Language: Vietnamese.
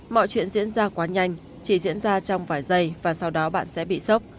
mọi chuyện diễn ra quá nhanh chỉ diễn ra trong vài giây và sau đó bạn sẽ bị sốc